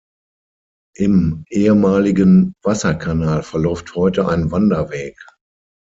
Im ehemaligen Wasserkanal verläuft heute ein Wanderweg.